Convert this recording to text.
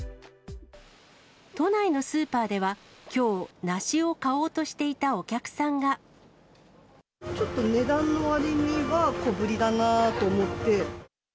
都内のスーパーでは、きょう、ちょっと値段の割には小ぶりだなと思って。